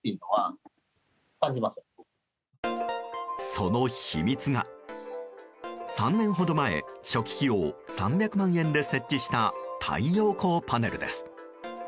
その秘密が、３年ほど前初期費用３００万円で設置した太陽光パネルです。